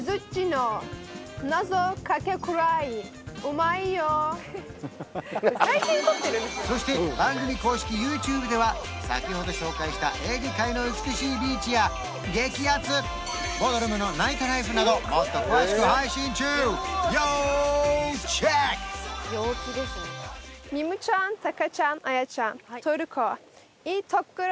うんそして番組公式ＹｏｕＴｕｂｅでは先ほど紹介したエーゲ海の美しいビーチや激アツボドルムのナイトライフなどもっと詳しく配信中要チェック！